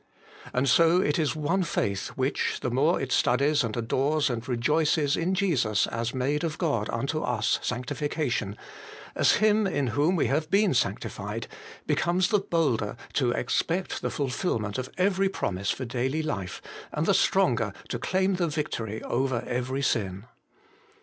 And so it is one faith which, the more it studies and adores and rejoices in Jesus as made of God unto us sanctification, as Him in whom we have been sanctified, becomes the bolder to expect the fulfilment of every promise for daily life, and the stronger to claim the victory over every sin.